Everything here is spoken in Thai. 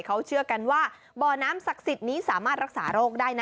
เขาเชื่อกันว่าบ่อน้ำศักดิ์สิทธิ์นี้สามารถรักษาโรคได้นะ